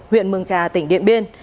huyện mường trà tỉnh điện biên